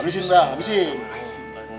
habisin abah habisin